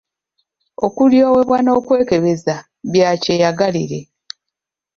Okulyowebwa n'okwekebeza bya kyeyagalire.